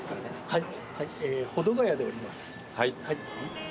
はい。